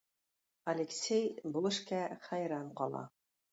Алексей бу эшкә хәйран кала.